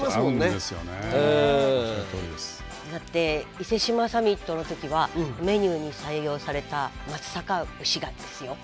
伊勢志摩サミットの時はメニューに採用された松阪牛がですよ